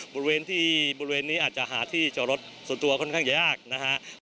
บริเวณที่บริเวณนี้อาจจะหาที่จอดรถส่วนตัวค่อนข้างจะยากนะครับ